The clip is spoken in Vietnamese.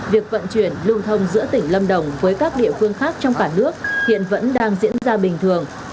việc vận chuyển lưu thông giữa tỉnh lâm đồng với các địa phương khác trong cả nước hiện vẫn đang diễn ra bình thường